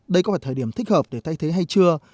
đây có phải thời điểm thích hợp để thay thế hay chưa